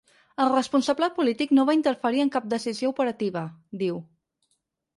El responsable polític no va interferir en cap decisió operativa, diu.